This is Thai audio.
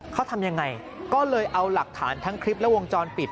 เขาทำยังไงก็เลยเอาหลักฐานทั้งคลิปและวงจรปิด